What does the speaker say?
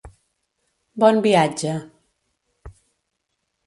Bon viatge.